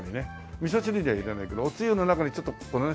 みそ汁には入れないけどおつゆの中にちょっとこのね